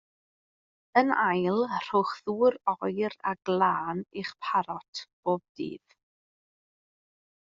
Yn ail rhowch ddŵr oer a glân i'ch parot bob dydd.